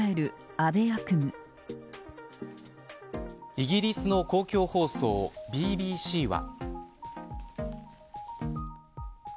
イギリスの公共放送ＢＢＣは。